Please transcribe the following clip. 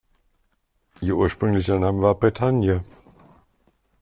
Ihr ursprünglicher Name war "Bretagne".